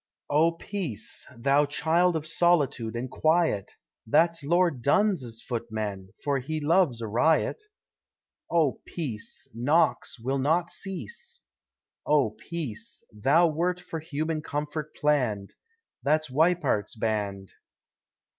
Oh Peace! thou child of solitude and quiet That's Lord Dunn's footman, for he loves a riot! Oh Peace! Knocks will not cease. Oh Peace! thou wert for human comfort plann'd That's Weippert's band.